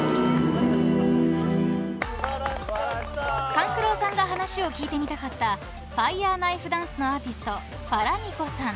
［勘九郎さんが話を聞いてみたかったファイヤーナイフ・ダンスのアーティストファラニコさん］